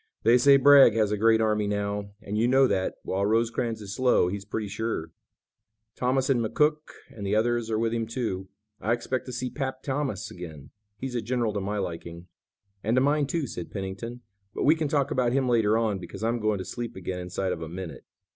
"They say Bragg has a great army now, and you know that, while Rosecrans is slow he's pretty sure. Thomas and McCook and the others are with him, too. I expect to see 'Pap' Thomas again. He's a general to my liking." "And to mine, too," said Pennington, "but we can talk about him later on, because I'm going to sleep again inside of a minute."